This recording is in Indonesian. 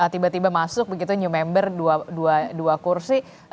tiba tiba masuk begitu new member dua kursi